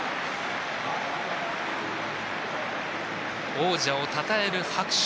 王者をたたえる拍手。